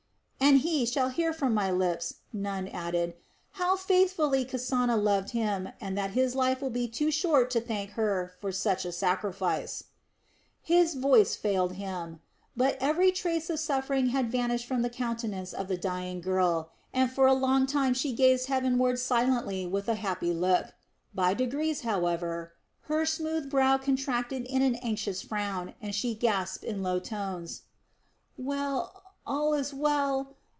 "And he shall hear from my lips," Nun added, "how faithfully Kasana loved him, and that his life will be too short to thank her for such a sacrifice." His voice failed him but every trace of suffering had vanished from the countenance of the dying girl, and for a long time she gazed heavenward silently with a happy look. By degrees, however, her smooth brow contracted in an anxious frown, and she gasped in low tones: "Well, all is well...